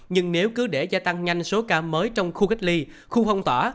nhưng nếu cứ để gia tăng nhanh số ca mới trong khu cách ly khu phong tỏa